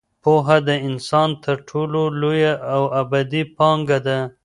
پوهه د انسان تر ټولو لویه او ابدي پانګه ده.